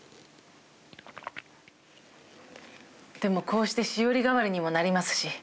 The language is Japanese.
でもこうしてしおり代わりにもなりますし。